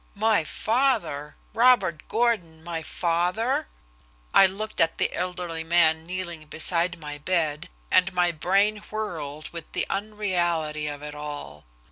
My father! Robert Gordon my father! I looked at the elderly man kneeling beside my bed, and my brain whirled with the unreality of it all.